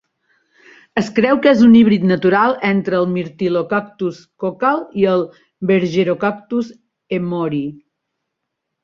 Es creu que és un híbrid natural entre el "Myrtillocactus cochal" i el "Bergerocactus emoryi".